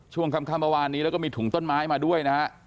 ช่วงคำคำว่าวานนี้แล้วก็มีถุงต้นไม้มาด้วยนะครับ